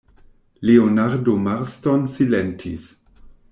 Leonardo Marston silentis.